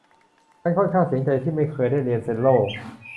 ฉันค่อนข้างเสียใจที่ไม่เคยได้เรียนเซลโล่